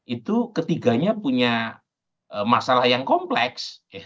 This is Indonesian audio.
itu ketiganya punya masalah yang kompleks